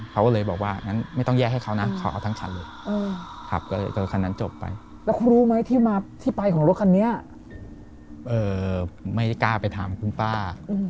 หรือไม่ได้กล้าไปถามคุณป่า